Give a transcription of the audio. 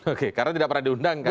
oke karena tidak pernah diundangkan